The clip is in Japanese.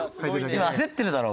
今焦ってるだろ？